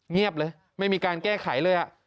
เงียบเลยไม่มีการแก้ไขเลย